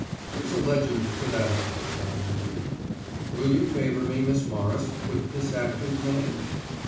"There's a legend to that effect, I believe.' "Will you favour me, Miss Morris, with this actor's name?"